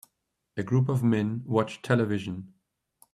A group of men watch television.